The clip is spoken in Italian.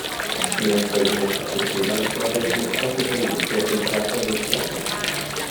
Nella stagione successiva la squadra viene praticamente ricreata da zero.